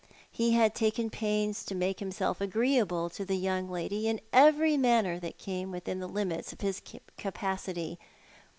He had taken pains to make himself agreeable to the young lady in every manner that came within the limits of his capacity.